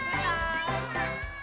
バイバーイ！